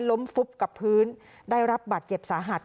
ฟุบกับพื้นได้รับบัตรเจ็บสาหัส